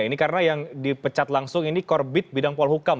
ini karena yang dipecat langsung ini korbit bidang polhukam